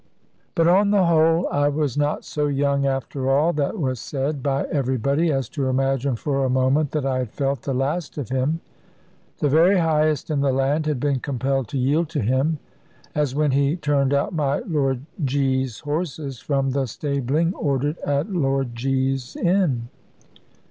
But, on the whole, I was not so young after all that was said by everybody, as to imagine for a moment that I had felt the last of him. The very highest in the land had been compelled to yield to him: as when he turned out my Lord G 's horses from the stabling ordered at Lord G 's inn.